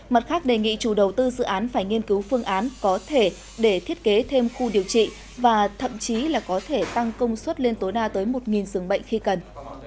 mặt khác đề nghị chủ đầu tư dự án phải nghiên cứu phương án có thể để thiết kế thêm khu điều trị và thậm chí là có thể tăng công suất lên tối đa tới một giường bệnh khi cần